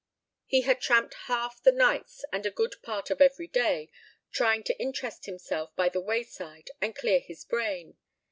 He had tramped half the nights and a good part of every day trying to interest himself by the wayside and clear his brain.